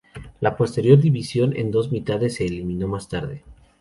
La posterior división en dos mitades se eliminó más tarde.